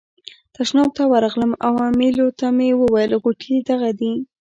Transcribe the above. تشناب ته ورغلم او امیلیو ته مې وویل غوټې دغه دي.